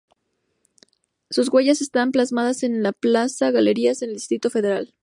Sus huellas están plasmadas en el de Plaza Galerías en el Distrito Federal.